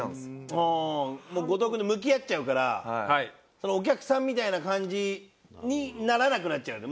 ああもう後藤君と向き合っちゃうからお客さんみたいな感じにならなくなっちゃうんだ。